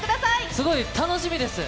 すごい楽しみです。